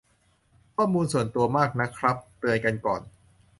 ข้อมูลส่วนตัวมากนะครับ เตือนกันก่อน